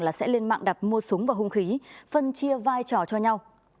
là sẽ lên mạng đặt mua súng và hung khí phân chia vai trò cho nhau